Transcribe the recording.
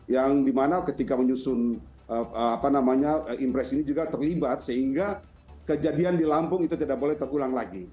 yang dimana ketika menyusun impres ini juga terlibat sehingga kejadian di lampung itu tidak boleh terulang lagi